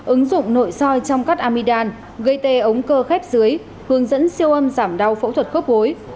ứng dụng nội soi trong cắt amidan gây tê ống cơ khép dưới hướng dẫn siêu âm giảm đau phẫu thuật khớp gối